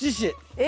え？